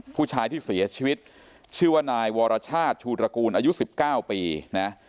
ผู้ชายที่เสียชีวิตชื่อว่านายวรชาติชูตระกูลอายุ๑๙ปีนะ